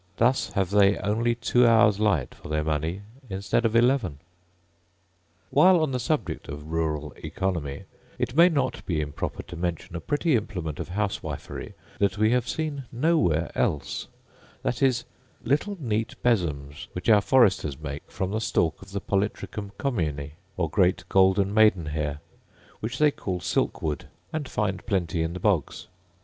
Thus have they only two hours' light for their money instead of eleven. While on the subject of rural oeconomy, it may not be improper to mention a pretty implement of housewifery that we have seen no where else; that is, little neat besoms which our foresters make from the stalk of the polytricum commune, or great golden maiden hair, which they call silk wood, and find plenty in the bogs.